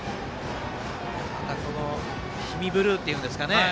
氷見ブルーっていうんですかね